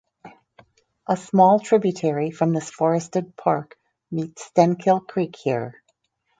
A small tributary from this forested park meets Stenkil Creek Here.